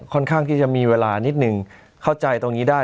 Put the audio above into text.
ค่อนข้างที่จะมีเวลานิดนึงเข้าใจตรงนี้ได้